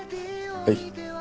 はい。